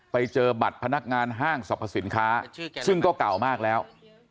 ไปเจอบัตรพนักงานห้างสรรพสินค้าซึ่งก็เก่ามากแล้ว